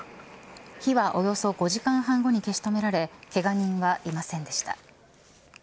火はおよそ５時間半後に消し止められけが人はいませんでした。